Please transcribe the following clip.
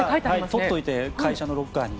取っておいて会社のロッカーに。